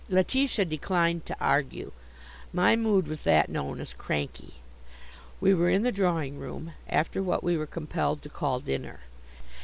Letitia declined to argue. My mood was that known as cranky. We were in the drawing room, after what we were compelled to call dinner.